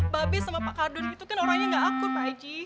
babes sama pak kardon itu kan orangnya gak akut pak haji